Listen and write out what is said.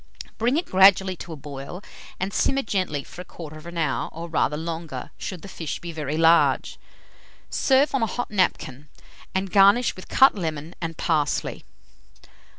Bring it gradually to a boil, and simmer gently for 1/4 hour, or rather longer, should the fish be very large. Serve on a hot napkin, and garnish with cut lemon and parsley.